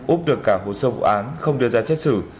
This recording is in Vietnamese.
úp được cả hồ sơ vụ án không đưa ra chết xử